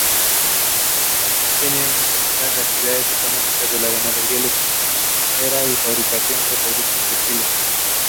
He is the current Canada Research Chair in the History of Health Policy.